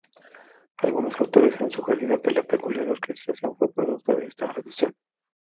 Algunos autores han sugerido que la peculiar orquestación fue producto de esta revisión.